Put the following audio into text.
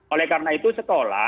oleh karena itu sekolah